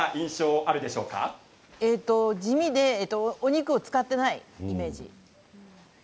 料理って地味でお肉を使っていないイメージ。